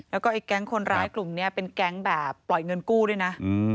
แล้วก็ไอ้แก๊งคนร้ายกลุ่มนี้เป็นแก๊งแบบปล่อยเงินกู้ด้วยนะ